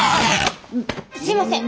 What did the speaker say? すいません。